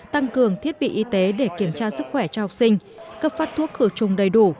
tăng cường thiết bị y tế để kiểm tra sức khỏe cho học sinh cấp phát thuốc khử trùng đầy đủ